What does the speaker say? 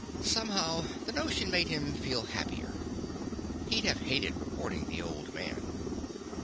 Somehow the notion made him feel happier. He'd have hated reporting the old man.